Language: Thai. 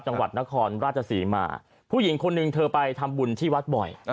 จังหวัดนครราชศรีมาผู้หญิงคนหนึ่งเธอไปทำบุญที่วัดบ่อย